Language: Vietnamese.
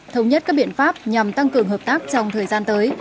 thống nhất các biện pháp nhằm tăng cường hợp tác trong thời gian tới